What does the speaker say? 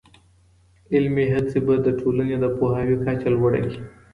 علمي هڅې به د ټولني د پوهاوي کچه لوړه کړي.